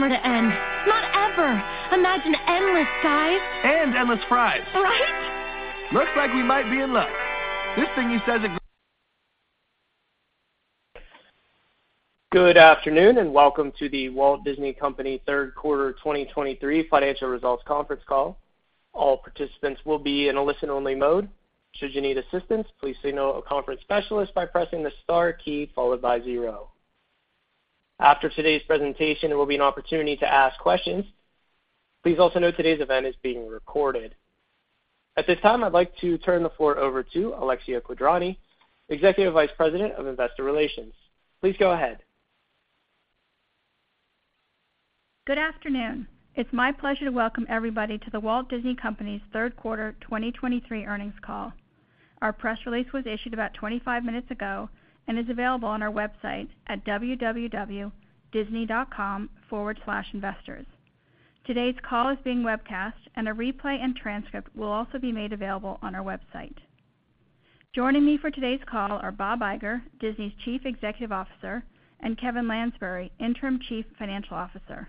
Good afternoon, and welcome to The Walt Disney Company third quarter 2023 financial results conference call. All participants will be in a listen-only mode. Should you need assistance, please signal a conference specialist by pressing the Star key followed by 0. After today's presentation, there will be an opportunity to ask questions. Please also note today's event is being recorded. At this time, I'd like to turn the floor over to Alexia Quadrani, Executive Vice President of Investor Relations. Please go ahead. Good afternoon. It's my pleasure to welcome everybody to The Walt Disney Company's third quarter 2023 earnings call. Our press release was issued about 25 minutes ago and is available on our website at www.disney.com/investors. Today's call is being webcast, and a replay and transcript will also be made available on our website. Joining me for today's call are Bob Iger, Disney's Chief Executive Officer, and Kevin Lansberry, Interim Chief Financial Officer.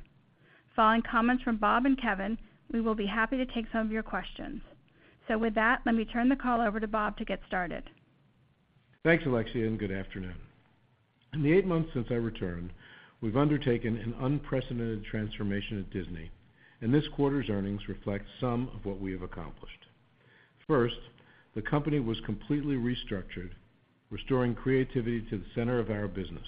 Following comments from Bob and Kevin, we will be happy to take some of your questions. With that, let me turn the call over to Bob to get started. Thanks, Alexia. Good afternoon. In the 8 months since I returned, we've undertaken an unprecedented transformation at Disney, and this quarter's earnings reflect some of what we have accomplished. First, the company was completely restructured, restoring creativity to the center of our business.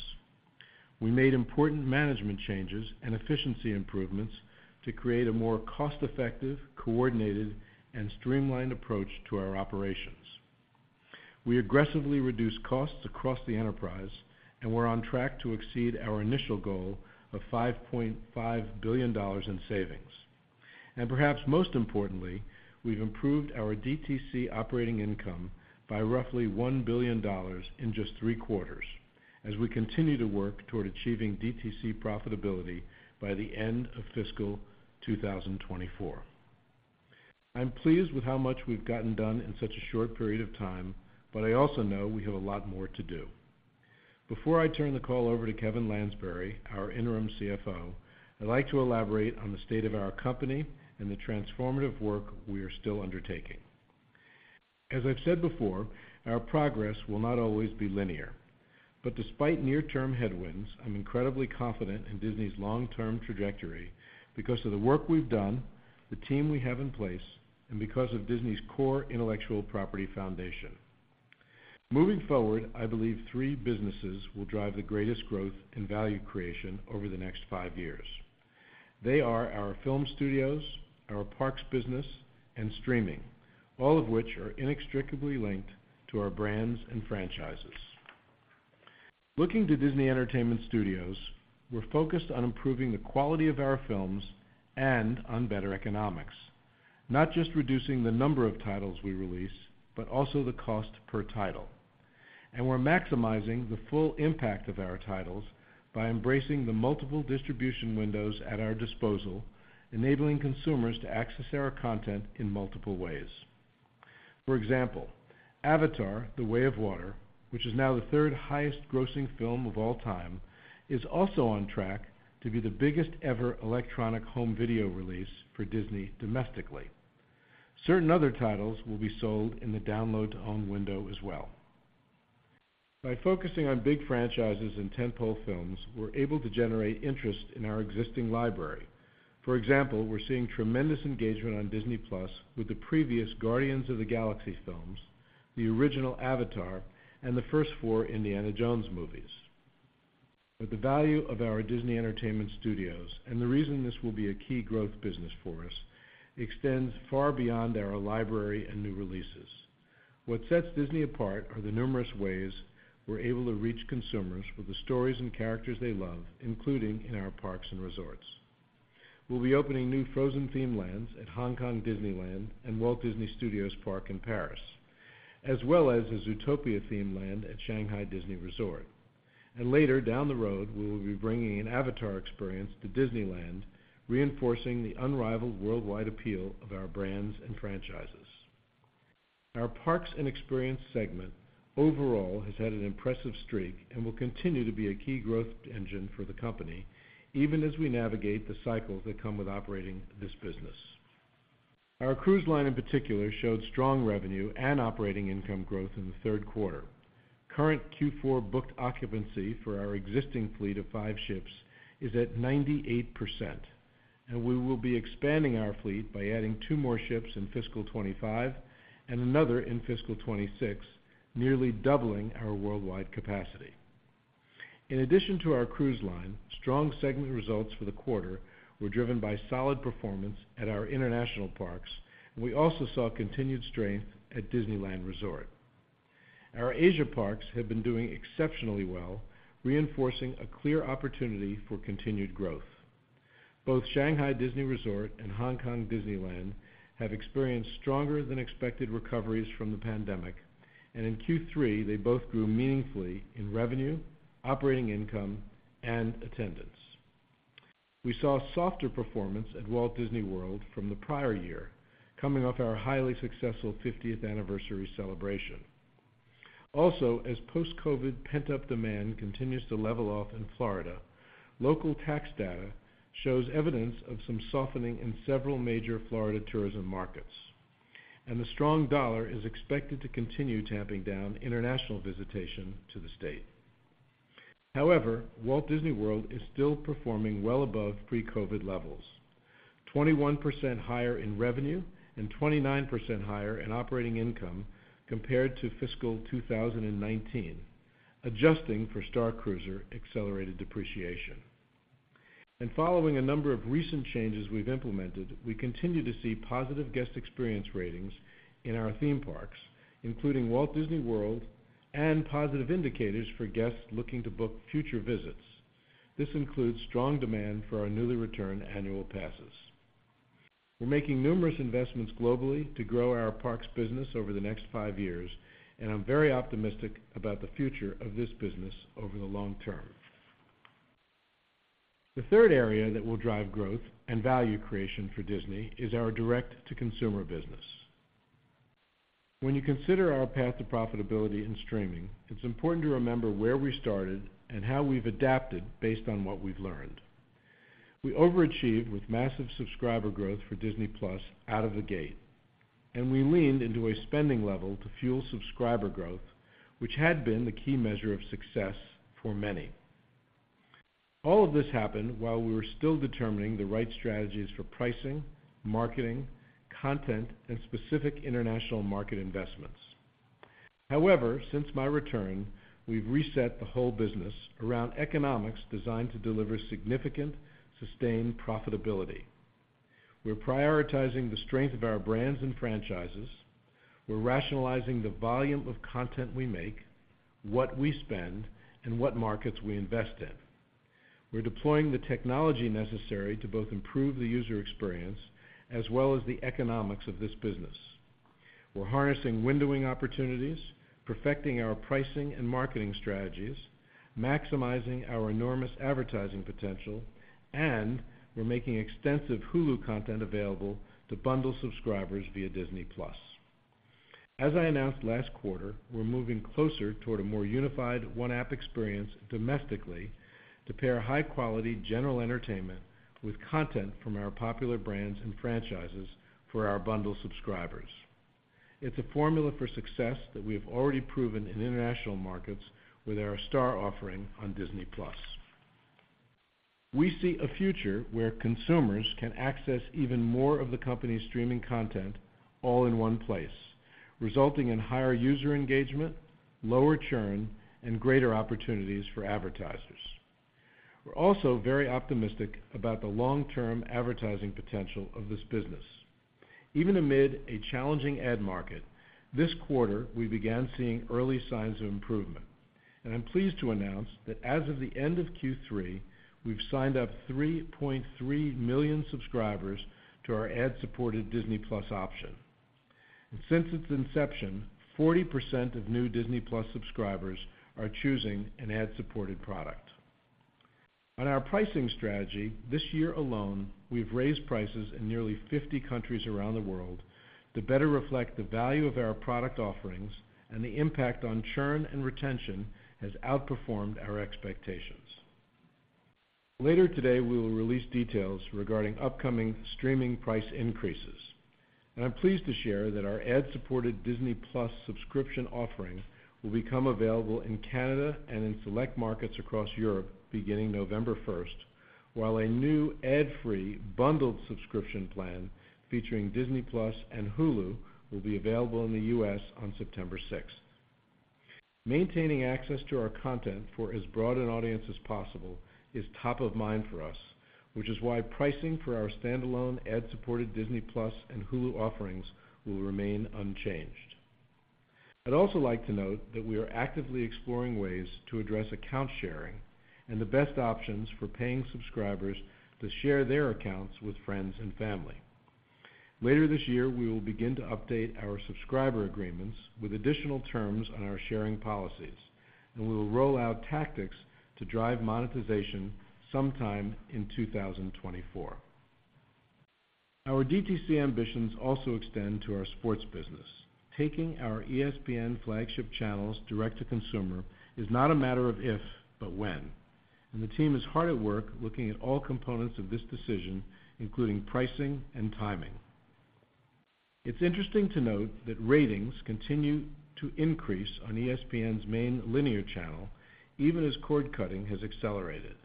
We made important management changes and efficiency improvements to create a more cost-effective, coordinated, and streamlined approach to our operations. We aggressively reduced costs across the enterprise, and we're on track to exceed our initial goal of $5.5 billion in savings. Perhaps most importantly, we've improved our DTC operating income by roughly $1 billion in just 3 quarters as we continue to work toward achieving DTC profitability by the end of fiscal 2024. I'm pleased with how much we've gotten done in such a short period of time, but I also know we have a lot more to do. Before I turn the call over to Kevin Lansberry, our Interim Chief Financial Officer, I'd like to elaborate on the state of our company and the transformative work we are still undertaking. As I've said before, our progress will not always be linear, but despite near-term headwinds, I'm incredibly confident in Disney's long-term trajectory because of the work we've done, the team we have in place, and because of Disney's core intellectual property foundation. Moving forward, I believe three businesses will drive the greatest growth and value creation over the next five years. They are our film studios, our parks business, and streaming, all of which are inextricably linked to our brands and franchises. Looking to Disney Entertainment Studios, we're focused on improving the quality of our films and on better economics, not just reducing the number of titles we release, but also the cost per title. We're maximizing the full impact of our titles by embracing the multiple distribution windows at our disposal, enabling consumers to access our content in multiple ways. For example, Avatar: The Way of Water, which is now the third highest grossing film of all time, is also on track to be the biggest ever electronic home video release for Disney domestically. Certain other titles will be sold in the download-to-own window as well. By focusing on big franchises and tentpole films, we're able to generate interest in our existing library. For example, we're seeing tremendous engagement on Disney+ with the previous Guardians of the Galaxy films, the original Avatar, and the first four Indiana Jones movies. The value of our Disney entertainment studios, and the reason this will be a key growth business for us, extends far beyond our library and new releases. What sets Disney apart are the numerous ways we're able to reach consumers with the stories and characters they love, including in our parks and resorts. We'll be opening new Frozen-themed lands at Hong Kong Disneyland and Walt Disney Studios Park in Paris, as well as a Zootopia-themed land at Shanghai Disney Resort. Later, down the road, we will be bringing an Avatar experience to Disneyland, reinforcing the unrivaled worldwide appeal of our brands and franchises. Our Parks and experience segment overall has had an impressive streak and will continue to be a key growth engine for the company, even as we navigate the cycles that come with operating this business. Our cruise line, in particular, showed strong revenue and operating income growth in the third quarter. Current Q4 booked occupancy for our existing fleet of five ships is at 98%, and we will be expanding our fleet by adding two more ships in fiscal 2025 and another in fiscal 2026, nearly doubling our worldwide capacity. In addition to our cruise line, strong segment results for the quarter were driven by solid performance at our international parks, and we also saw continued strength at Disneyland Resort. Our Asia parks have been doing exceptionally well, reinforcing a clear opportunity for continued growth. Both Shanghai Disney Resort and Hong Kong Disneyland have experienced stronger-than-expected recoveries from the pandemic, and in Q3, they both grew meaningfully in revenue, operating income, and attendance. We saw a softer performance at Walt Disney World from the prior year, coming off our highly successful fiftieth anniversary celebration. Also, as post-COVID pent-up demand continues to level off in Florida, local tax data shows evidence of some softening in several major Florida tourism markets, and the strong dollar is expected to continue tamping down international visitation to the state. However, Walt Disney World is still performing well above pre-COVID levels, 21% higher in revenue and 29% higher in operating income compared to fiscal 2019, adjusting for Starcruiser accelerated depreciation. Following a number of recent changes we've implemented, we continue to see positive guest experience ratings in our theme parks, including Walt Disney World, and positive indicators for guests looking to book future visits. This includes strong demand for our newly returned annual passes. We're making numerous investments globally to grow our parks business over the next five years, and I'm very optimistic about the future of this business over the long term. The third area that will drive growth and value creation for Disney is our direct-to-consumer business. When you consider our path to profitability in streaming, it's important to remember where we started and how we've adapted based on what we've learned. We overachieved with massive subscriber growth for Disney+ out of the gate. We leaned into a spending level to fuel subscriber growth, which had been the key measure of success for many. All of this happened while we were still determining the right strategies for pricing, marketing, content, and specific international market investments. However, since my return, we've reset the whole business around economics designed to deliver significant, sustained profitability. We're prioritizing the strength of our brands and franchises. We're rationalizing the volume of content we make, what we spend, and what markets we invest in. We're deploying the technology necessary to both improve the user experience as well as the economics of this business. We're harnessing windowing opportunities, perfecting our pricing and marketing strategies, maximizing our enormous advertising potential, and we're making extensive Hulu content available to bundle subscribers via Disney+. As I announced last quarter, we're moving closer toward a more unified one-app experience domestically to pair high-quality general entertainment with content from our popular brands and franchises for our bundle subscribers. It's a formula for success that we have already proven in international markets with our Star offering on Disney+. We see a future where consumers can access even more of the company's streaming content all in one place, resulting in higher user engagement, lower churn, and greater opportunities for advertisers. We're also very optimistic about the long-term advertising potential of this business. Even amid a challenging ad market, this quarter, we began seeing early signs of improvement. I'm pleased to announce that as of the end of Q3, we've signed up 3.3 million subscribers to our ad-supported Disney+ option. Since its inception, 40% of new Disney+ subscribers are choosing an ad-supported product. On our pricing strategy, this year alone, we've raised prices in nearly 50 countries around the world to better reflect the value of our product offerings. The impact on churn and retention has outperformed our expectations. Later today, we will release details regarding upcoming streaming price increases. I'm pleased to share that our ad-supported Disney+ subscription offering will become available in Canada and in select markets across Europe beginning November 1st. While a new ad-free bundled subscription plan featuring Disney+ and Hulu will be available in the U.S. on September 6th. Maintaining access to our content for as broad an audience as possible is top of mind for us, which is why pricing for our standalone ad-supported Disney+ and Hulu offerings will remain unchanged. I'd also like to note that we are actively exploring ways to address account sharing and the best options for paying subscribers to share their accounts with friends and family. Later this year, we will begin to update our subscriber agreements with additional terms on our sharing policies. We will roll out tactics to drive monetization sometime in 2024. Our DTC ambitions also extend to our sports business. Taking our ESPN flagship channels direct to consumer is not a matter of if, but when. The team is hard at work looking at all components of this decision, including pricing and timing. It's interesting to note that ratings continue to increase on ESPN's main linear channel, even as cord cutting has accelerated.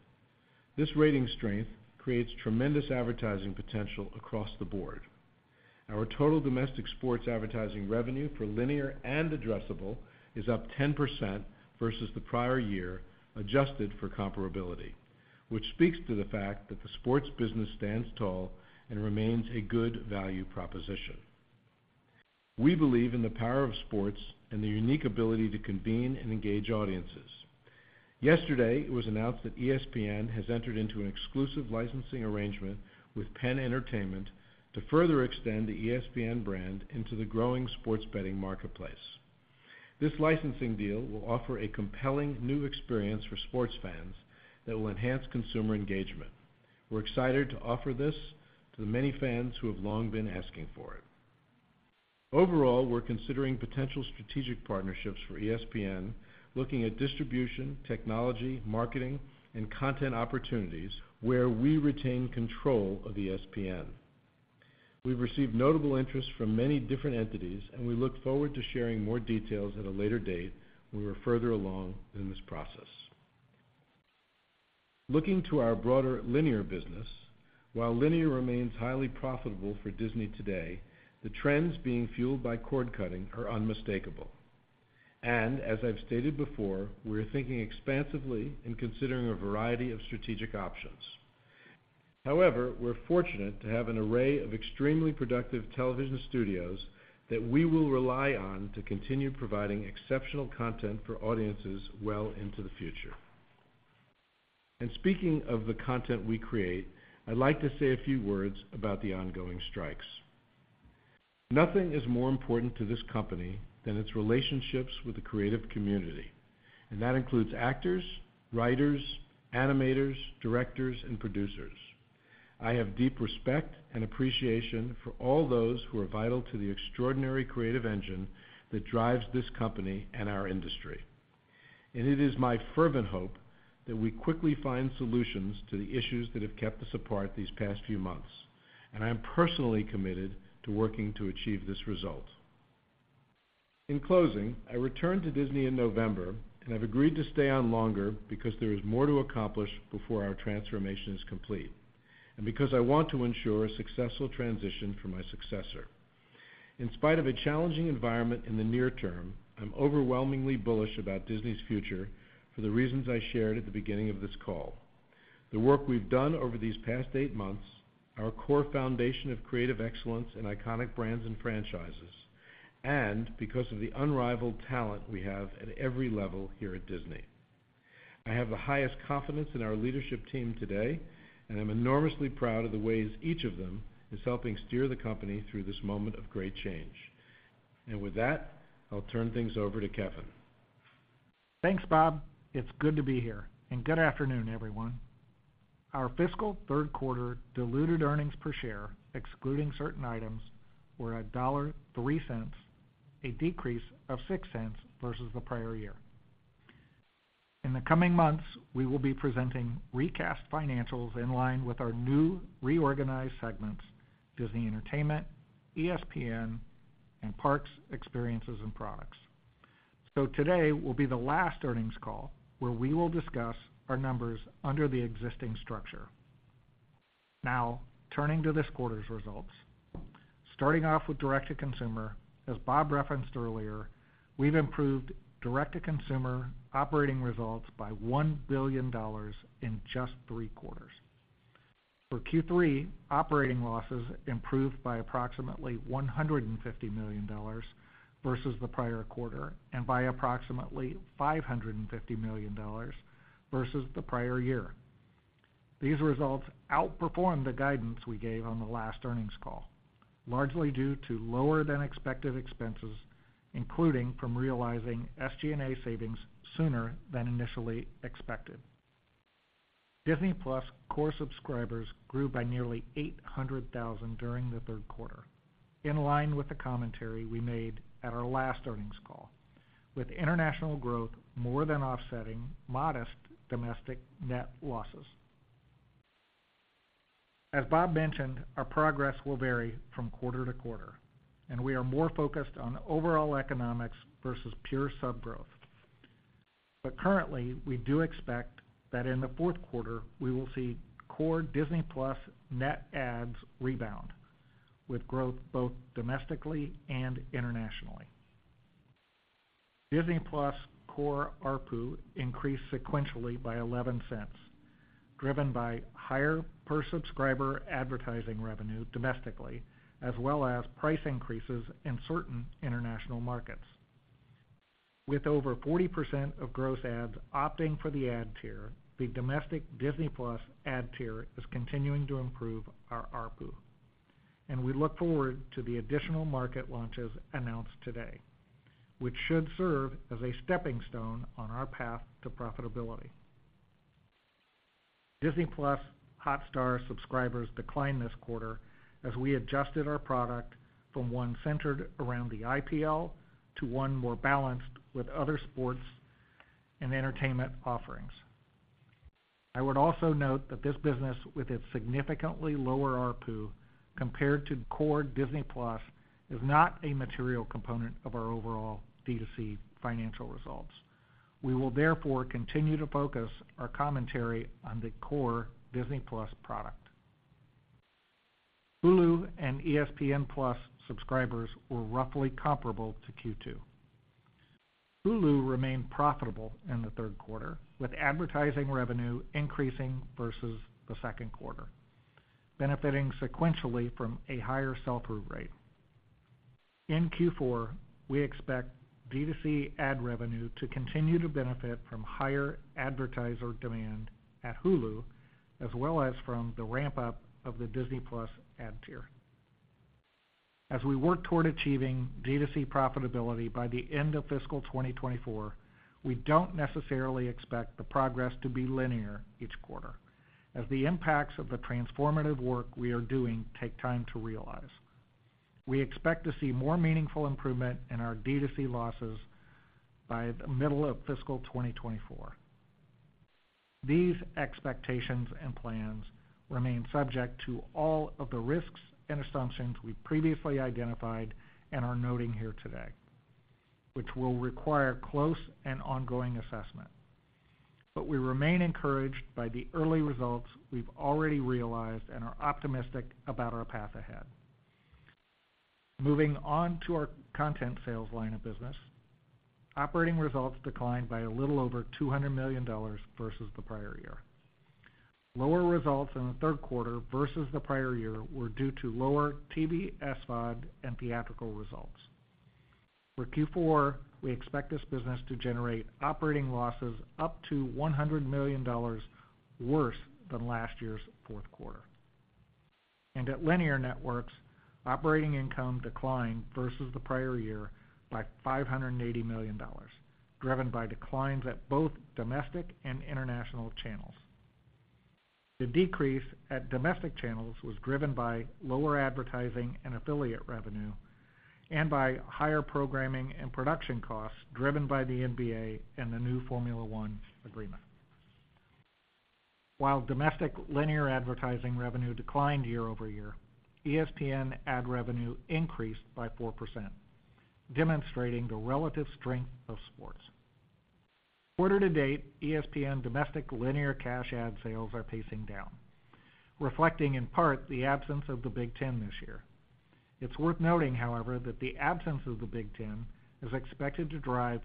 This rating strength creates tremendous advertising potential across the board. Our total domestic sports advertising revenue for linear and addressable is up 10% versus the prior year, adjusted for comparability, which speaks to the fact that the sports business stands tall and remains a good value proposition. We believe in the power of sports and the unique ability to convene and engage audiences. Yesterday, it was announced that ESPN has entered into an exclusive licensing arrangement with Penn Entertainment to further extend the ESPN brand into the growing sports betting marketplace. This licensing deal will offer a compelling new experience for sports fans that will enhance consumer engagement. We're excited to offer this to the many fans who have long been asking for it. Overall, we're considering potential strategic partnerships for ESPN, looking at distribution, technology, marketing, and content opportunities where we retain control of ESPN. We've received notable interest from many different entities. We look forward to sharing more details at a later date when we're further along in this process. Looking to our broader linear business, while linear remains highly profitable for Disney today, the trends being fueled by cord cutting are unmistakable. As I've stated before, we are thinking expansively in considering a variety of strategic options. However, we're fortunate to have an array of extremely productive television studios that we will rely on to continue providing exceptional content for audiences well into the future. Speaking of the content we create, I'd like to say a few words about the ongoing strikes. Nothing is more important to this company than its relationships with the creative community, and that includes actors, writers, animators, directors, and producers. I have deep respect and appreciation for all those who are vital to the extraordinary creative engine that drives this company and our industry. It is my fervent hope that we quickly find solutions to the issues that have kept us apart these past few months, and I am personally committed to working to achieve this result. In closing, I returned to Disney in November, and I've agreed to stay on longer because there is more to accomplish before our transformation is complete, and because I want to ensure a successful transition for my successor. In spite of a challenging environment in the near term, I'm overwhelmingly bullish about Disney's future for the reasons I shared at the beginning of this call. The work we've done over these past eight months, our core foundation of creative excellence and iconic brands and franchises, and because of the unrivaled talent we have at every level here at Disney. I have the highest confidence in our leadership team today, and I'm enormously proud of the ways each of them is helping steer the company through this moment of great change. With that, I'll turn things over to Kevin. Thanks, Bob. It's good to be here, and good afternoon, everyone. Our fiscal third quarter diluted earnings per share, excluding certain items, were $1.03, a decrease of $0.06 versus the prior year. In the coming months, we will be presenting recast financials in line with our new reorganized segments, Disney Entertainment, ESPN, and Parks, Experiences and Products. Today will be the last earnings call where we will discuss our numbers under the existing structure. Now, turning to this quarter's results. Starting off with direct-to-consumer, as Bob referenced earlier, we've improved direct-to-consumer operating results by $1 billion in just three quarters. For Q3, operating losses improved by approximately $150 million versus the prior quarter and by approximately $550 million versus the prior year. These results outperformed the guidance we gave on the last earnings call, largely due to lower-than-expected expenses, including from realizing SG&A savings sooner than initially expected. Disney+ core subscribers grew by nearly 800,000 during the third quarter, in line with the commentary we made at our last earnings call, with international growth more than offsetting modest domestic net losses. As Bob mentioned, our progress will vary from quarter to quarter, and we are more focused on overall economics versus pure sub growth. Currently, we do expect that in the fourth quarter, we will see core Disney Plus net adds rebound, with growth both domestically and internationally. Disney Plus core ARPU increased sequentially by $0.11, driven by higher per-subscriber advertising revenue domestically, as well as price increases in certain international markets. With over 40% of gross adds opting for the ad tier, the domestic Disney+ ad tier is continuing to improve our ARPU, and we look forward to the additional market launches announced today, which should serve as a stepping stone on our path to profitability. Disney+ Hotstar subscribers declined this quarter as we adjusted our product from one centered around the IPL to one more balanced with other sports and entertainment offerings. I would also note that this business, with its significantly lower ARPU compared to core Disney+, is not a material component of our overall D2C financial results. We will therefore continue to focus our commentary on the core Disney+ product. Hulu and ESPN+ subscribers were roughly comparable to Q2. Hulu remained profitable in the third quarter, with advertising revenue increasing versus the second quarter, benefiting sequentially from a higher sell-through rate. In Q4, we expect D2C ad revenue to continue to benefit from higher advertiser demand at Hulu, as well as from the ramp-up of the Disney+ ad tier. As we work toward achieving D2C profitability by the end of fiscal 2024, we don't necessarily expect the progress to be linear each quarter, as the impacts of the transformative work we are doing take time to realize. We expect to see more meaningful improvement in our D2C losses by the middle of fiscal 2024. These expectations and plans remain subject to all of the risks and assumptions we've previously identified and are noting here today, which will require close and ongoing assessment. We remain encouraged by the early results we've already realized and are optimistic about our path ahead. Moving on to our content sales line of business. Operating results declined by a little over $200 million versus the prior year. Lower results in the third quarter versus the prior year were due to lower TV SVOD and theatrical results. For Q4, we expect this business to generate operating losses up to $100 million worse than last year's fourth quarter. At Linear Networks, operating income declined versus the prior year by $580 million, driven by declines at both domestic and international channels. The decrease at domestic channels was driven by lower advertising and affiliate revenue and by higher programming and production costs, driven by the NBA and the new Formula One agreement. While domestic linear advertising revenue declined year-over-year, ESPN ad revenue increased by 4%, demonstrating the relative strength of sports. Quarter to date, ESPN domestic linear cash ad sales are pacing down, reflecting in part the absence of the Big Ten this year. It's worth noting, however, that the absence of the Big Ten is expected to drive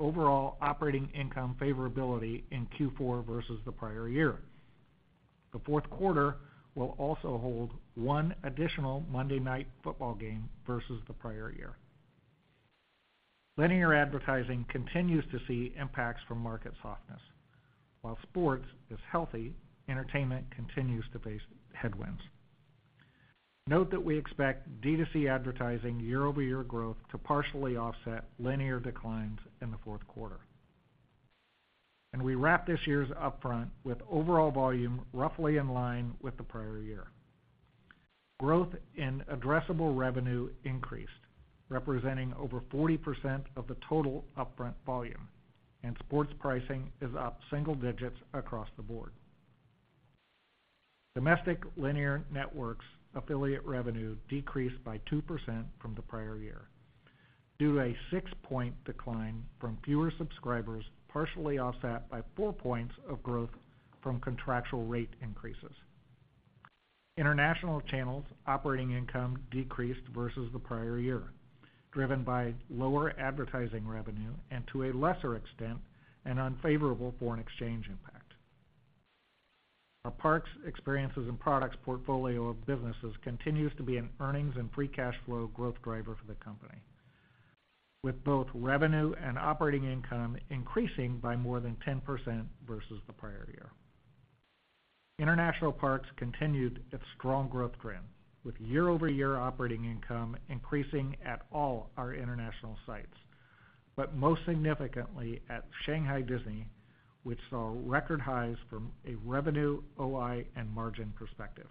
overall operating income favorability in Q4 versus the prior year. The fourth quarter will also hold one additional Monday Night Football game versus the prior year. Linear advertising continues to see impacts from market softness. While sports is healthy, entertainment continues to face headwinds. Note that we expect D2C advertising year-over-year growth to partially offset linear declines in the fourth quarter. We wrapped this year's upfront with overall volume roughly in line with the prior year. Growth in addressable revenue increased, representing over 40% of the total upfront volume, and sports pricing is up single digits across the board. Domestic linear networks affiliate revenue decreased by 2% from the prior year, due to a 6-point decline from fewer subscribers, partially offset by 4 points of growth from contractual rate increases. International channels operating income decreased versus the prior year, driven by lower advertising revenue and, to a lesser extent, an unfavorable foreign exchange impact. Our Parks, Experiences and Products portfolio of businesses continues to be an earnings and free cash flow growth driver for the company, with both revenue and operating income increasing by more than 10% versus the prior year. International Parks continued its strong growth trend, with year-over-year operating income increasing at all our international sites, but most significantly at Shanghai Disney, which saw record highs from a revenue, OI and margin perspective.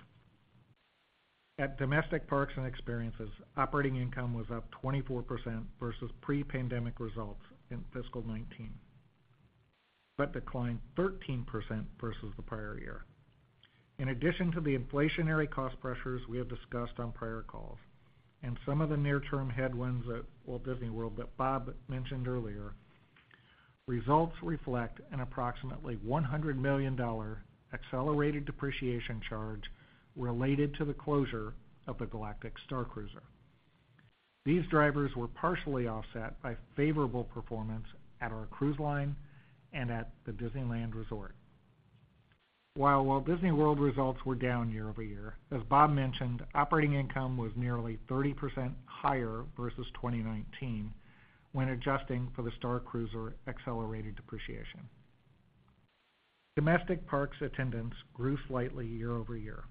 At Domestic Parks and Experiences, operating income was up 24% versus pre-pandemic results in fiscal 2019. Declined 13% versus the prior year. In addition to the inflationary cost pressures we have discussed on prior calls and some of the near-term headwinds at Walt Disney World that Bob mentioned earlier, results reflect an approximately $100 million accelerated depreciation charge related to the closure of the Galactic Starcruiser. These drivers were partially offset by favorable performance at our cruise line and at the Disneyland Resort. While Walt Disney World results were down year-over-year, as Bob mentioned, operating income was nearly 30% higher versus 2019 when adjusting for the Starcruiser accelerated depreciation. Domestic parks attendance grew slightly year-over-year,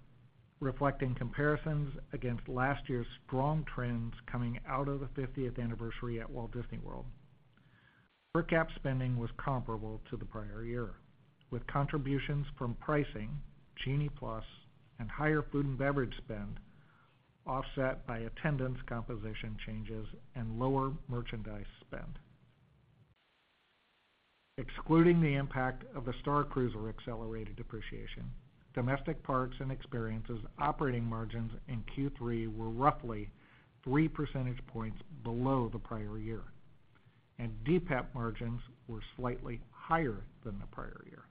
reflecting comparisons against last year's strong trends coming out of the 50th anniversary at Walt Disney World. Per cap spending was comparable to the prior year, with contributions from pricing, Genie+, and higher food and beverage spend, offset by attendance composition changes and lower merchandise spend. Excluding the impact of the Starcruiser accelerated depreciation, domestic parks and experiences operating margins in Q3 were roughly 3 percentage points below the prior year, and DPEP margins were slightly higher than the prior year.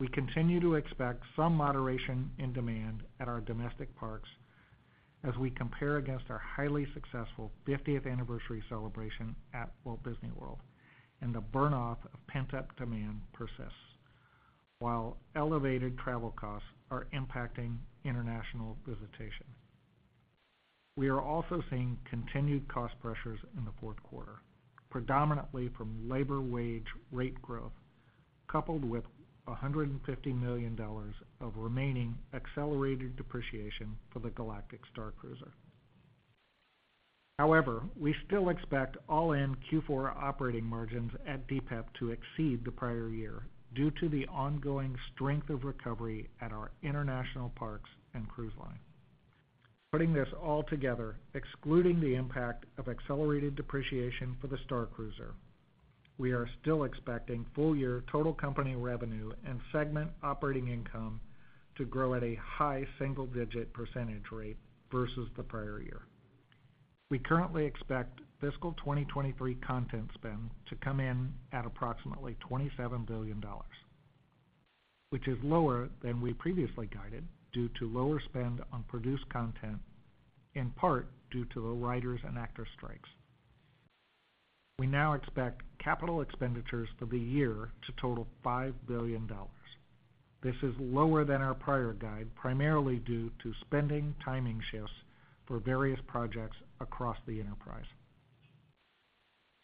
We continue to expect some moderation in demand at our domestic parks as we compare against our highly successful 50th anniversary celebration at Walt Disney World, and the burn-off of pent-up demand persists, while elevated travel costs are impacting international visitation. We are also seeing continued cost pressures in the fourth quarter, predominantly from labor wage rate growth, coupled with $150 million of remaining accelerated depreciation for the Galactic Starcruiser. However, we still expect all-in Q4 operating margins at DPEP to exceed the prior year due to the ongoing strength of recovery at our international parks and cruise line. Putting this all together, excluding the impact of accelerated depreciation for the Starcruiser, we are still expecting full-year total company revenue and segment operating income to grow at a high single-digit percentage rate versus the prior year. We currently expect fiscal 2023 content spend to come in at approximately $27 billion, which is lower than we previously guided due to lower spend on produced content, in part due to the writers and actors strikes. We now expect capital expenditures for the year to total $5 billion. This is lower than our prior guide, primarily due to spending timing shifts for various projects across the enterprise.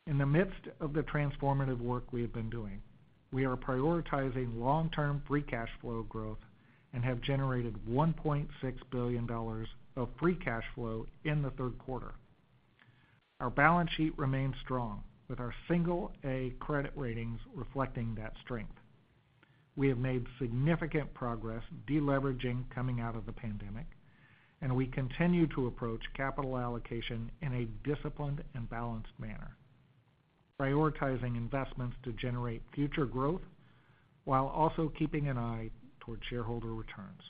In the midst of the transformative work we have been doing, we are prioritizing long-term free cash flow growth and have generated $1.6 billion of free cash flow in the third quarter. Our balance sheet remains strong, with our single A credit ratings reflecting that strength. We have made significant progress deleveraging coming out of the pandemic, and we continue to approach capital allocation in a disciplined and balanced manner, prioritizing investments to generate future growth while also keeping an eye toward shareholder returns.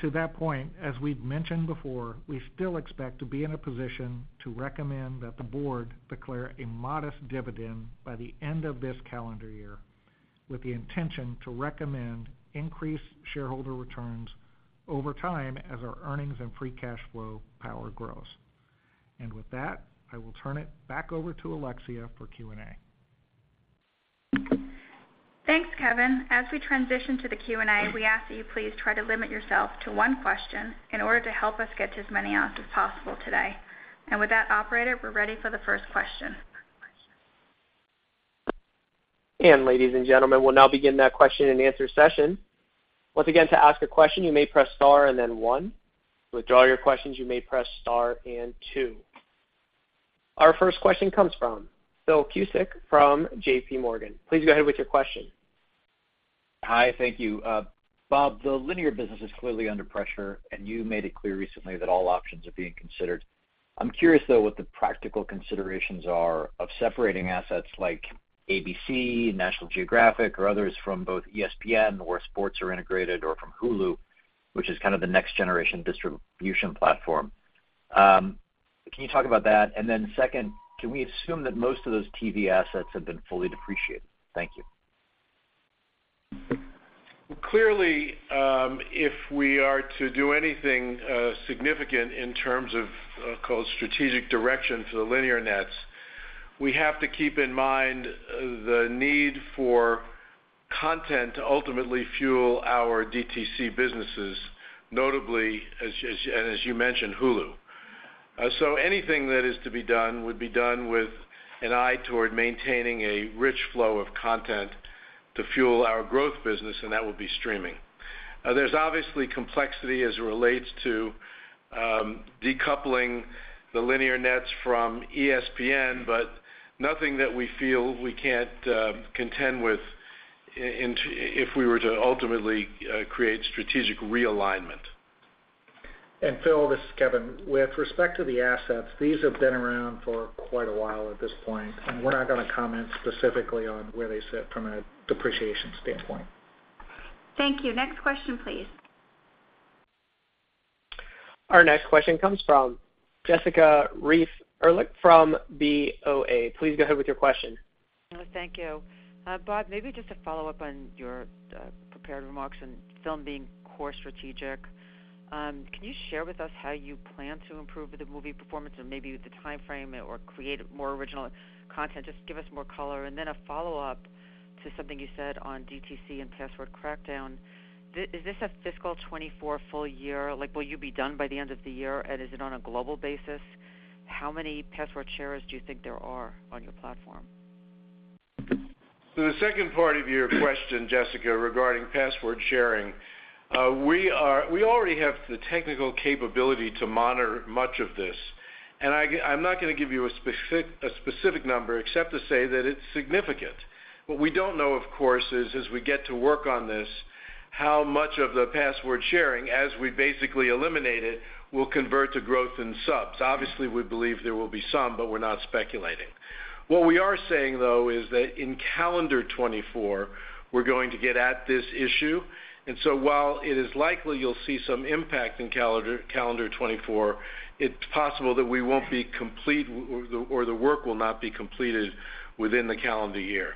To that point, as we've mentioned before, we still expect to be in a position to recommend that the board declare a modest dividend by the end of this calendar year, with the intention to recommend increased shareholder returns over time as our earnings and free cash flow power grows. With that, I will turn it back over to Alexia for Q&A. Thanks, Kevin. As we transition to the Q&A, we ask that you please try to limit yourself to one question in order to help us get to as many asked as possible today. With that, operator, we're ready for the first question. Ladies and gentlemen, we'll now begin that question-and-answer session. Once again, to ask a question, you may press star and then 1. To withdraw your questions, you may press star and 2. Our first question comes from Phil Cusick from JPMorgan. Please go ahead with your question. Hi, thank you. Bob, the linear business is clearly under pressure, and you made it clear recently that all options are being considered. I'm curious, though, what the practical considerations are of separating assets like ABC, National Geographic, or others from both ESPN, where sports are integrated, or from Hulu, which is kind of the next-generation distribution platform. Can you talk about that? Then second, can we assume that most of those TV assets have been fully depreciated? Thank you. Clearly, if we are to do anything significant in terms of call it strategic direction for the linear nets, we have to keep in mind the need for content to ultimately fuel our DTC businesses, notably, as, as, and as you mentioned, Hulu. Anything that is to be done would be done with an eye toward maintaining a rich flow of content to fuel our growth business, and that would be streaming. There's obviously complexity as it relates to decoupling the linear nets from ESPN, but nothing that we feel we can't contend with if we were to ultimately create strategic realignment. Phil, this is Kevin. With respect to the assets, these have been around for quite a while at this point, and we're not going to comment specifically on where they sit from a depreciation standpoint. Thank you. Next question, please. Our next question comes from Jessica Reif Ehrlich from BofA. Please go ahead with your question. Thank you. Bob, maybe just to follow up on your prepared remarks and film being core strategic, can you share with us how you plan to improve the movie performance and maybe the time frame or create more original content? Just give us more color. Then a follow-up to something you said on DTC and password crackdown. Is this a fiscal 2024 full year? Like, will you be done by the end of the year, and is it on a global basis? How many password sharers do you think there are on your platform? The second part of your question, Jessica, regarding password sharing, we already have the technical capability to monitor much of this, and I'm not going to give you a specific number except to say that it's significant. What we don't know, of course, is as we get to work on this, how much of the password sharing, as we basically eliminate it, will convert to growth in subs. Obviously, we believe there will be some, but we're not speculating. What we are saying, though, is that in calendar 2024, we're going to get at this issue. While it is likely you'll see some impact in calendar, calendar 2024, it's possible that we won't be complete or, or the work will not be completed within the calendar year.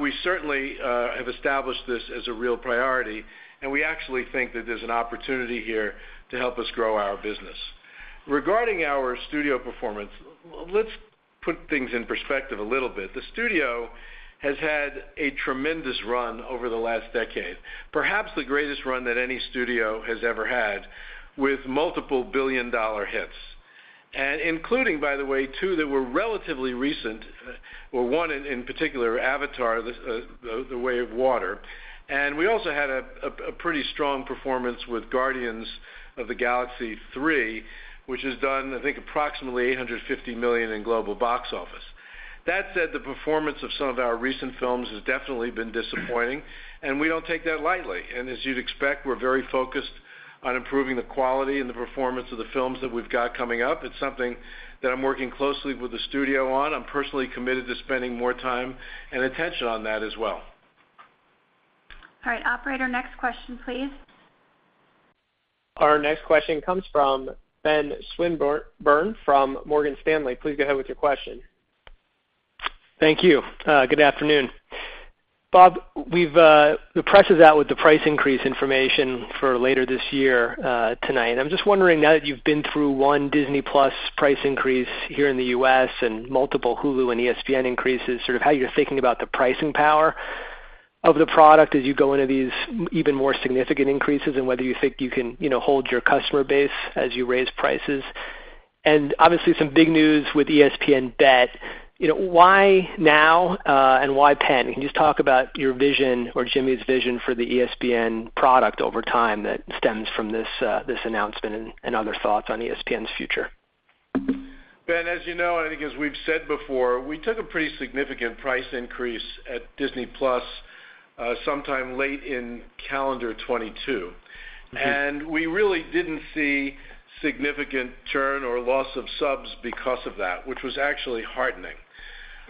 We certainly have established this as a real priority, and we actually think that there's an opportunity here to help us grow our business. Regarding our studio performance, let's put things in perspective a little bit. The studio has had a tremendous run over the last decade, perhaps the greatest run that any studio has ever had, with multiple billion-dollar hits. Including, by the way, two that were relatively recent, or one in particular, Avatar: The Way of Water. We also had a pretty strong performance with Guardians of the Galaxy Vol. 3, which has done, I think, approximately $850 million in global box office. That said, the performance of some of our recent films has definitely been disappointing, and we don't take that lightly. As you'd expect, we're very focused on improving the quality and the performance of the films that we've got coming up. It's something that I'm working closely with the studio on. I'm personally committed to spending more time and attention on that as well. All right, operator, next question, please. Our next question comes from Ben Swinburne from Morgan Stanley. Please go ahead with your question. Thank you. good afternoon. Bob, we've, the press is out with the price increase information for later this year, tonight. I'm just wondering, now that you've been through one Disney+ price increase here in the U.S. and multiple Hulu and ESPN increases, sort of how you're thinking about the pricing power of the product as you go into these even more significant increases, and whether you think you can, you know, hold your customer base as you raise prices. Obviously, some big news with ESPN Bet. You know, why now, and why Penn? Can you just talk about your vision or Jimmy's vision for the ESPN product over time that stems from this, this announcement and other thoughts on ESPN's future? Ben, as you know, and I think as we've said before, we took a pretty significant price increase at Disney+ sometime late in calendar 2022. We really didn't see significant churn or loss of subs because of that, which was actually heartening.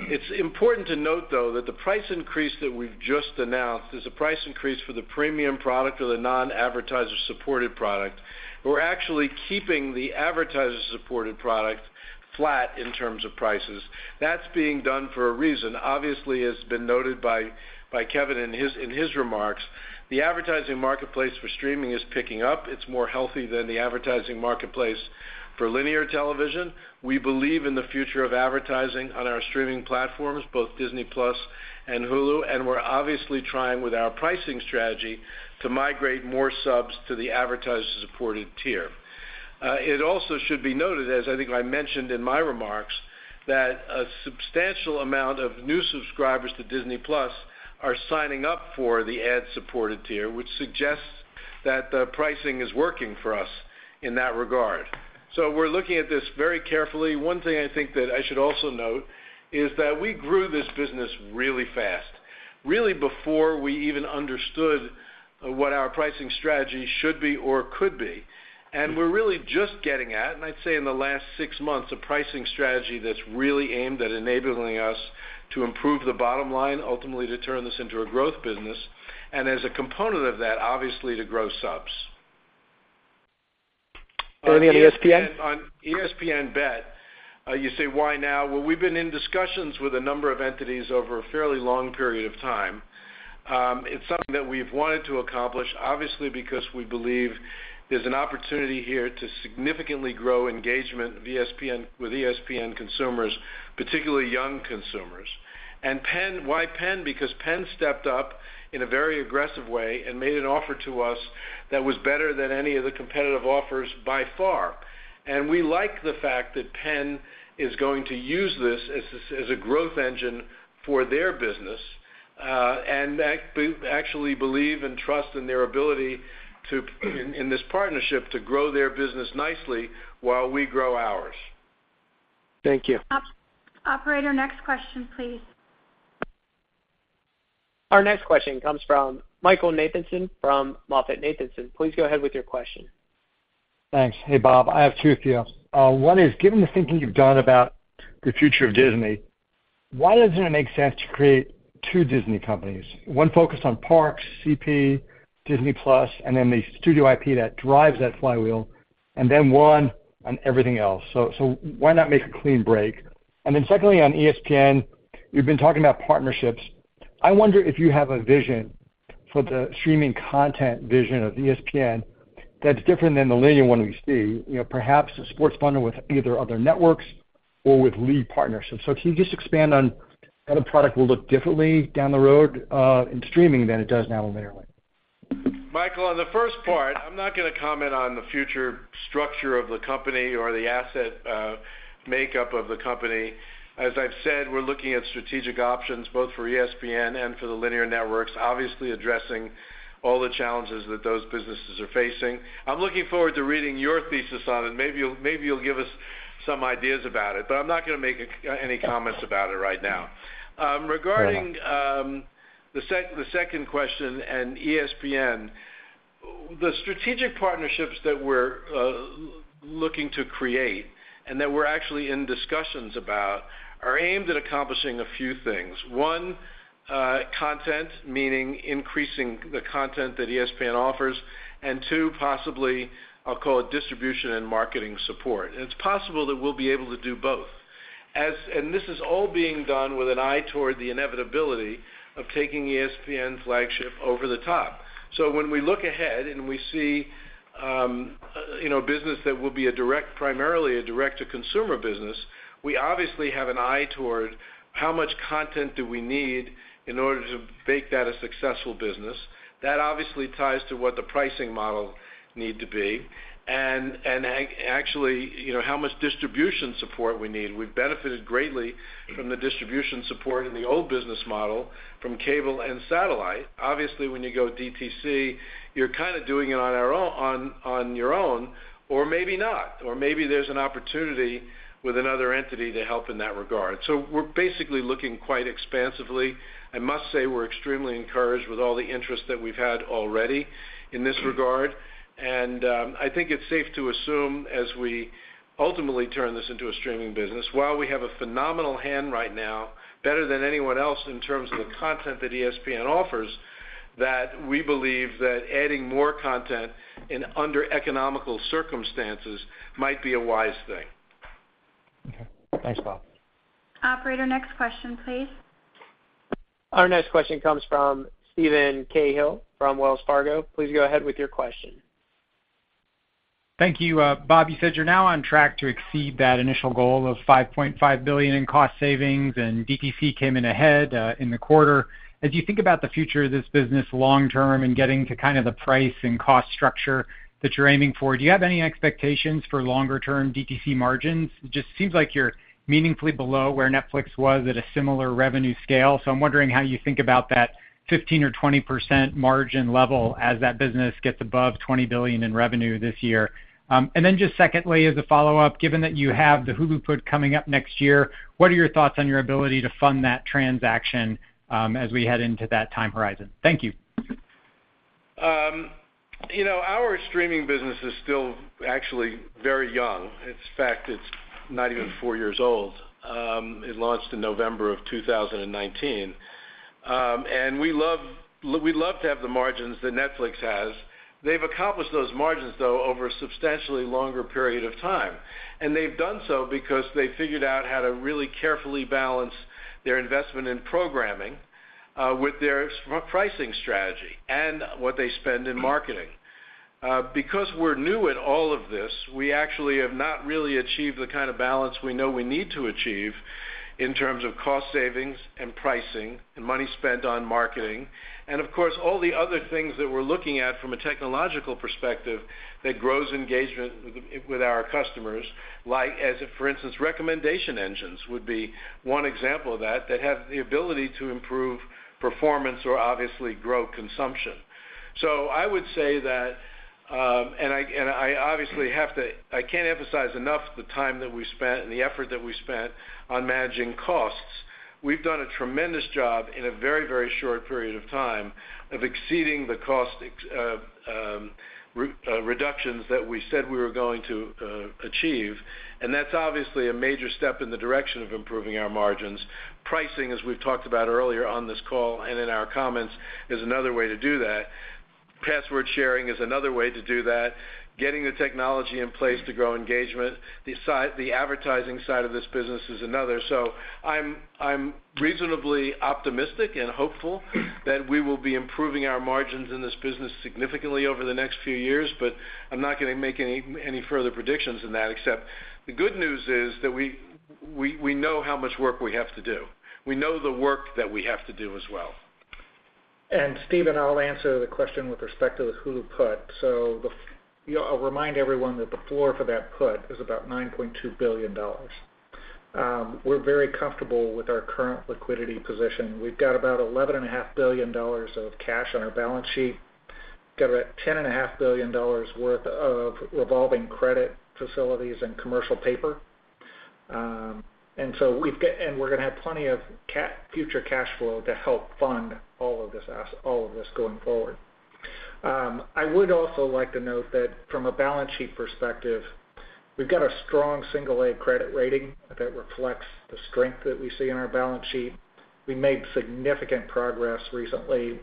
It's important to note, though, that the price increase that we've just announced is a price increase for the premium product or the non-advertiser-supported product. We're actually keeping the advertiser-supported product flat in terms of prices. That's being done for a reason. Obviously, it's been noted by, by Kevin in his, in his remarks, the advertising marketplace for streaming is picking up. It's more healthy than the advertising marketplace for linear television. We believe in the future of advertising on our streaming platforms, both Disney+ and Hulu, and we're obviously trying with our pricing strategy to migrate more subs to the advertiser-supported tier. It also should be noted, as I think I mentioned in my remarks, that a substantial amount of new subscribers to Disney+ are signing up for the ad-supported tier, which suggests that the pricing is working for us in that regard. We're looking at this very carefully. One thing I think that I should also note is that we grew this business really fast, really before we even understood what our pricing strategy should be or could be. We're really just getting at, and I'd say in the last 6 months, a pricing strategy that's really aimed at enabling us to improve the bottom line, ultimately to turn this into a growth business, and as a component of that, obviously to grow subs. Anything on ESPN? On ESPN Bet, you say, why now? Well, we've been in discussions with a number of entities over a fairly long period of time. It's something that we've wanted to accomplish, obviously, because we believe there's an opportunity here to significantly grow engagement with ESPN consumers, particularly young consumers. Penn, why Penn? Because Penn stepped up in a very aggressive way and made an offer to us that was better than any of the competitive offers by far. We like the fact that Penn is going to use this as a, as a growth engine for their business, and actually believe and trust in their ability to, in, in this partnership, to grow their business nicely while we grow ours. Thank you. Operator, next question, please. Our next question comes from Michael Nathanson from MoffettNathanson. Please go ahead with your question. Thanks. Hey, Bob, I have two for you. one is, given the thinking you've done about the future of Disney, why doesn't it make sense to create two Disney companies, one focused on parks, CP, Disney+, and then the studio IP that drives that flywheel, and then one on everything else? Why not make a clean break? Secondly, on ESPN, you've been talking about partnerships. I wonder if you have a vision for the streaming content vision of ESPN that's different than the linear one we see, you know, perhaps a sports bundle with either other networks or with lead partnerships. Can you just expand on how the product will look differently down the road, in streaming than it does now on linear way? Michael, on the first part, I'm not gonna comment on the future structure of the company or the asset, makeup of the company. As I've said, we're looking at strategic options both for ESPN and for the linear networks, obviously addressing all the challenges that those businesses are facing. I'm looking forward to reading your thesis on it. Maybe you'll, maybe you'll give us some ideas about it, but I'm not gonna make any comments about it right now. Fair enough. Regarding, the second question and ESPN, the strategic partnerships that we're looking to create and that we're actually in discussions about, are aimed at accomplishing a few things. One, content, meaning increasing the content that ESPN offers, and two, possibly, I'll call it distribution and marketing support. It's possible that we'll be able to do both. This is all being done with an eye toward the inevitability of taking ESPN flagship over the top. When we look ahead and we see, you know, business that will be primarily a direct-to-consumer business, we obviously have an eye toward how much content do we need in order to make that a successful business. That obviously ties to what the pricing model need to be, and, actually, you know, how much distribution support we need. We've benefited greatly from the distribution support in the old business model from cable and satellite. Obviously, when you go DTC, you're kind of doing it on our own, on your own, or maybe not, or maybe there's an opportunity with another entity to help in that regard. We're basically looking quite expansively. I must say we're extremely encouraged with all the interest that we've had already in this regard. I think it's safe to assume as we ultimately turn this into a streaming business, while we have a phenomenal hand right now, better than anyone else in terms of the content that ESPN offers, that we believe that adding more content in under economical circumstances might be a wise thing. Okay. Thanks, Bob. Operator, next question, please. Our next question comes from Steven Cahall from Wells Fargo. Please go ahead with your question. Thank you. Bob, you said you're now on track to exceed that initial goal of $5.5 billion in cost savings. DTC came in ahead in the quarter. As you think about the future of this business long term and getting to kind of the price and cost structure that you're aiming for, do you have any expectations for longer-term DTC margins? It just seems like you're meaningfully below where Netflix was at a similar revenue scale. I'm wondering how you think about that 15% or 20% margin level as that business gets above $20 billion in revenue this year. Just secondly, as a follow-up, given that you have the Hulu put coming up next year, what are your thoughts on your ability to fund that transaction as we head into that time horizon? Thank you. You know, our streaming business is still actually very young. In fact, it's not even 4 years old. It launched in November of 2019. We love, we'd love to have the margins that Netflix has. They've accomplished those margins, though, over a substantially longer period of time. They've done so because they figured out how to really carefully balance their investment in programming, with their pricing strategy and what they spend in marketing. Because we're new at all of this, we actually have not really achieved the kind of balance we know we need to achieve in terms of cost savings and pricing and money spent on marketing. Of course, all the other things that we're looking at from a technological perspective that grows engagement with, with our customers, like as a, for instance, recommendation engines would be one example of that, that have the ability to improve performance or obviously grow consumption. I would say that, and I, and I obviously have to- I can't emphasize enough the time that we spent and the effort that we spent on managing costs. We've done a tremendous job in a very, very short period of time of exceeding the cost ex, re- reductions that we said we were going to achieve, and that's obviously a major step in the direction of improving our margins. Pricing, as we've talked about earlier on this call and in our comments, is another way to do that. Password sharing is another way to do that. Getting the technology in place to grow engagement, the advertising side of this business is another. I'm reasonably optimistic and hopeful that we will be improving our margins in this business significantly over the next few years, but I'm not gonna make any, any further predictions in that, except the good news is that we, we, we know how much work we have to do. We know the work that we have to do as well. Steven, I'll answer the question with respect to the Hulu put. The, you know, I'll remind everyone that the floor for that put is about $9.2 billion. We're very comfortable with our current liquidity position. We've got about $11.5 billion of cash on our balance sheet, got about $10.5 billion worth of revolving credit facilities and commercial paper. And so we're gonna have plenty of future cash flow to help fund all of this going forward. I would also like to note that from a balance sheet perspective, we've got a strong single-A credit rating that reflects the strength that we see in our balance sheet. We made significant progress recently,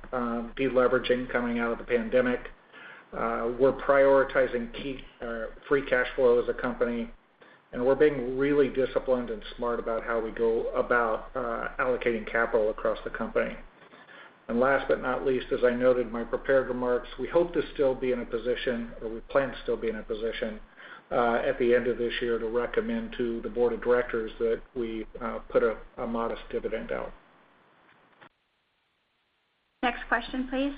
de-leveraging coming out of the pandemic. we're prioritizing key free cash flow as a company, and we're being really disciplined and smart about how we go about allocating capital across the company. Last but not least, as I noted in my prepared remarks, we hope to still be in a position, or we plan to still be in a position, at the end of this year, to recommend to the board of directors that we put a modest dividend out. Next question, please.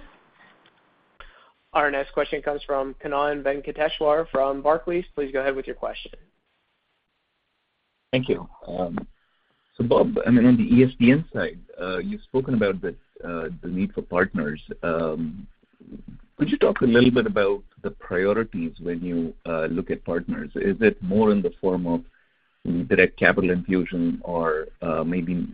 Our next question comes from Kannan Venkateshwar from Barclays. Please go ahead with your question. Thank you. Bob, I mean, on the ESPN side, you've spoken about the need for partners. Could you talk a little bit about the priorities when you look at partners? Is it more in the form of direct capital infusion or maybe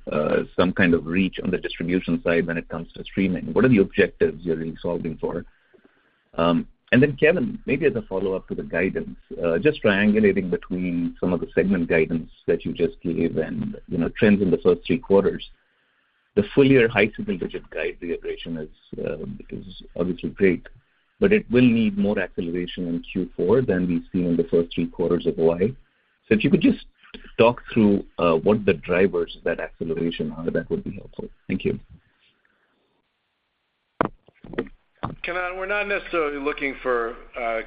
some kind of reach on the distribution side when it comes to streaming? What are the objectives you're solving for? Kevin, maybe as a follow-up to the guidance, just triangulating between some of the segment guidance that you just gave and, you know, trends in the first three quarters, the full year high single-digit guide reacceleration is obviously great, but it will need more acceleration in Q4 than we've seen in the first three quarters of OI. If you could just talk through what the drivers of that acceleration are, that would be helpful. Thank you. Kannan, we're not necessarily looking for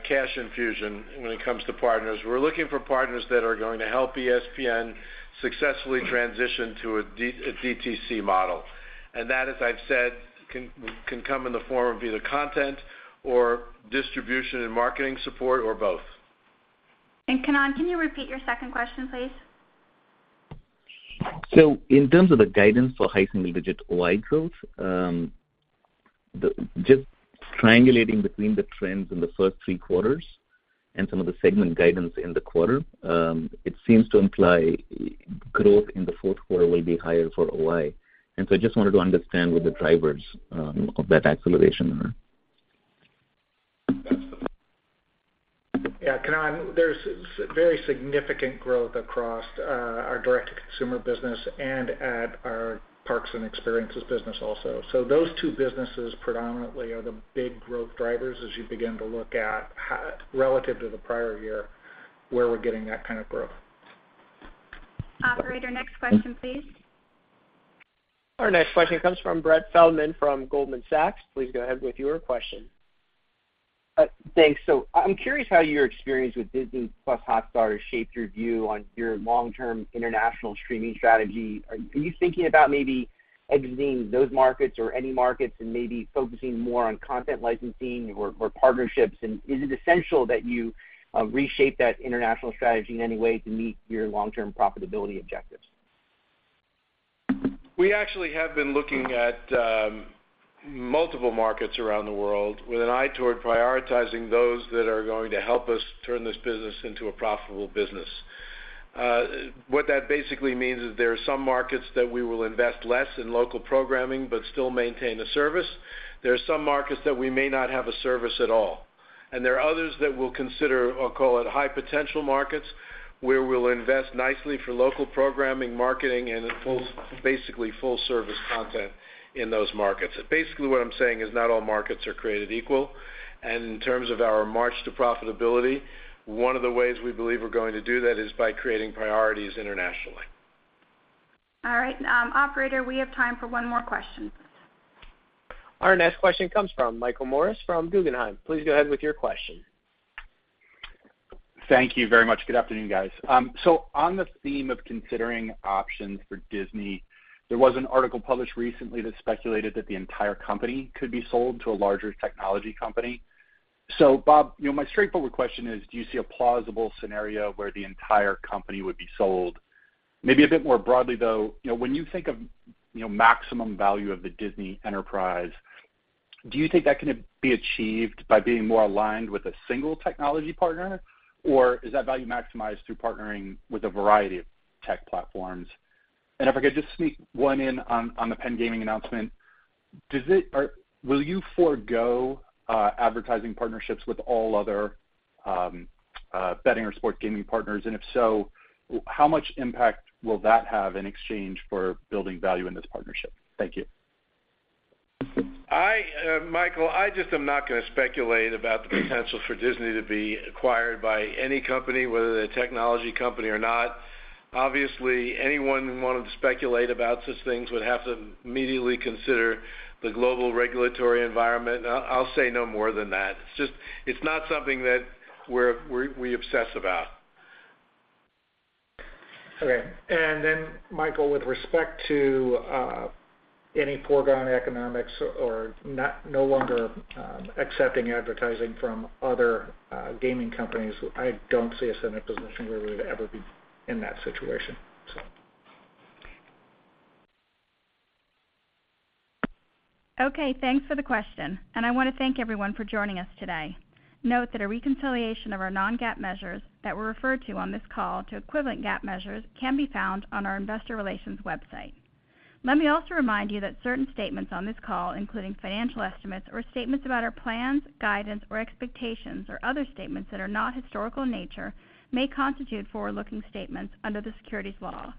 cash infusion when it comes to partners. We're looking for partners that are going to help ESPN successfully transition to a DTC model. That, as I've said, can, can come in the form of either content or distribution and marketing support, or both. Kannan, can you repeat your second question, please? In terms of the guidance for high single-digit OI growth, just triangulating between the trends in the first 3 quarters and some of the segment guidance in the quarter, it seems to imply growth in the fourth quarter will be higher for OI. I just wanted to understand what the drivers of that acceleration are. Yeah, Kannan, there's very significant growth across our direct-to-consumer business and at our parks and experiences business also. Those two businesses predominantly are the big growth drivers as you begin to look at how, relative to the prior year, where we're getting that kind of growth. Operator, next question, please. Our next question comes from Brett Feldman from Goldman Sachs. Please go ahead with your question. Thanks. I'm curious how your experience with Disney+ Hotstar has shaped your view on your long-term international streaming strategy. Are, are you thinking about maybe exiting those markets or any markets and maybe focusing more on content licensing or, or partnerships? Is it essential that you reshape that international strategy in any way to meet your long-term profitability objectives? We actually have been looking at multiple markets around the world with an eye toward prioritizing those that are going to help us turn this business into a profitable business. What that basically means is there are some markets that we will invest less in local programming but still maintain a service. There are some markets that we may not have a service at all, and there are others that we'll consider, I'll call it, high potential markets, where we'll invest nicely for local programming, marketing, and a full, basically full service content in those markets. Basically, what I'm saying is not all markets are created equal, and in terms of our march to profitability, one of the ways we believe we're going to do that is by creating priorities internationally. All right, operator, we have time for one more question. Our next question comes from Michael Morris from Guggenheim. Please go ahead with your question. Thank you very much. Good afternoon, guys. On the theme of considering options for Disney, there was an article published recently that speculated that the entire company could be sold to a larger technology company. Bob, you know, my straightforward question is, do you see a plausible scenario where the entire company would be sold? Maybe a bit more broadly, though, you know, when you think of, you know, maximum value of the Disney enterprise, do you think that can be achieved by being more aligned with a single technology partner, or is that value maximized through partnering with a variety of tech platforms? If I could just sneak one in on, on the Penn Gaming announcement, does it or will you forgo advertising partnerships with all other betting or sport gaming partners? If so, how much impact will that have in exchange for building value in this partnership? Thank you. I, Michael, I just am not gonna speculate about the potential for Disney to be acquired by any company, whether they're a technology company or not. Obviously, anyone who wanted to speculate about such things would have to immediately consider the global regulatory environment. I, I'll say no more than that. It's just, it's not something that we're, we, we obsess about. Okay. Michael, with respect to any foregone economics or no longer accepting advertising from other gaming companies, I don't see us in a position where we'd ever be in that situation. Okay, thanks for the question, and I want to thank everyone for joining us today. Note that a reconciliation of our non-GAAP measures that were referred to on this call to equivalent GAAP measures can be found on our investor relations website. Let me also remind you that certain statements on this call, including financial estimates or statements about our plans, guidance, or expectations, or other statements that are not historical in nature, may constitute forward-looking statements under the securities law.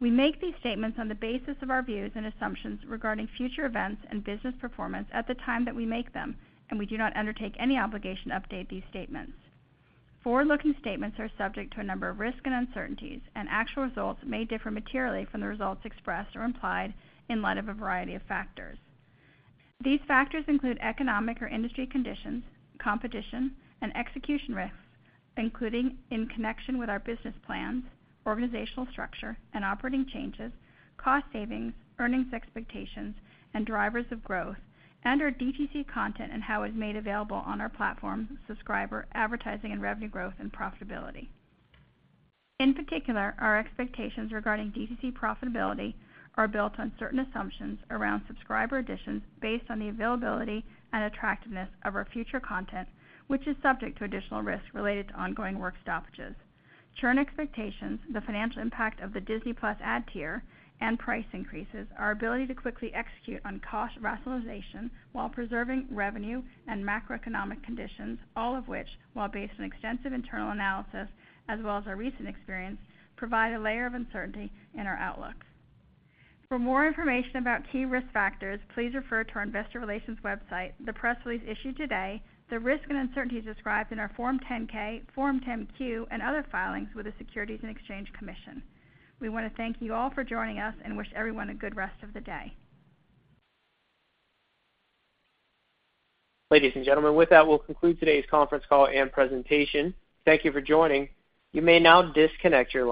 We make these statements on the basis of our views and assumptions regarding future events and business performance at the time that we make them, and we do not undertake any obligation to update these statements. Forward-looking statements are subject to a number of risks and uncertainties, and actual results may differ materially from the results expressed or implied in light of a variety of factors. These factors include economic or industry conditions, competition, and execution risks, including in connection with our business plans, organizational structure and operating changes, cost savings, earnings expectations, and drivers of growth, and our DTC content and how it's made available on our platform, subscriber, advertising, and revenue growth and profitability. In particular, our expectations regarding DTC profitability are built on certain assumptions around subscriber additions based on the availability and attractiveness of our future content, which is subject to additional risks related to ongoing work stoppages. Churn expectations, the financial impact of the Disney+ ad tier and price increases, our ability to quickly execute on cost rationalization while preserving revenue and macroeconomic conditions, all of which, while based on extensive internal analysis as well as our recent experience, provide a layer of uncertainty in our outlooks. For more information about key risk factors, please refer to our investor relations website, the press release issued today, the risks and uncertainties described in our Form 10-K, Form 10-Q, and other filings with the Securities and Exchange Commission. We want to thank you all for joining us and wish everyone a good rest of the day. Ladies and gentlemen, with that, we'll conclude today's conference call and presentation. Thank you for joining. You may now disconnect your lines.